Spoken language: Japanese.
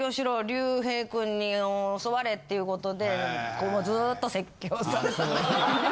竜兵君に教われっていうことでずっと説教されてました。